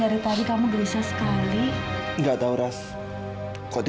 aku benar benar poor